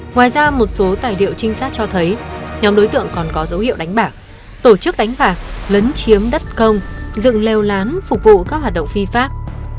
ngoài ra một số tài liệu trinh sát cho thấy nhóm đối tượng còn có dấu hiệu đánh bạc tổ chức đánh bạc lấn chiếm đất công dựng lêu lán phục vụ các hoạt động phi pháp